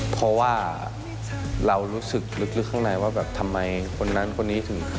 เพราะว่าเรารู้สึกลึกข้างในว่าแบบทำไมคนนั้นคนนี้ถึง